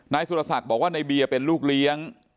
นายสุรสักบอกว่าในเบียเป็นลูกเลี้ยง